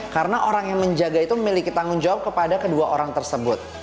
karena orang yang menjaga itu memiliki tanggung jawab kepada kedua orang tersebut